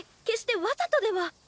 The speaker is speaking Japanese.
決してわざとでは。